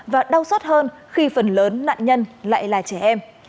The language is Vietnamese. và đau xót hơn khi phần lớn nạn nhân lại là trẻ em